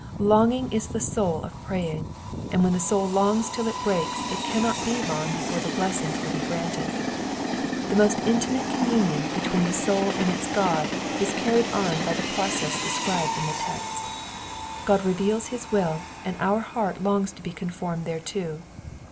Longing is the soul of praying, and when the soul longs till it breaks, it cannot be long before the blessing will be panted. The most intimate communion between the soul and its God is earned on by the process described in the text. God reveals his will, and our heart longs to be conformed thereto.